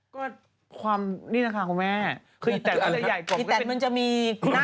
ก็ความนี่นะคะคุณแม่คืออีแต๊กมันจะใหญ่กว่า